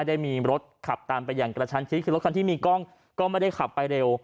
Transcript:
ได้มีรถขับตามไปอย่างกระชันชิดคือรถคันที่มีกล้องก็ไม่ได้ขับไปเร็ว